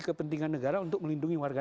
kepentingan negara untuk melindungi warga